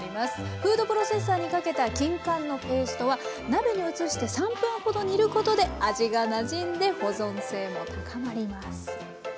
フードプロセッサーにかけたきんかんのペーストは鍋に移して３分ほど煮ることで味がなじんで保存性も高まります。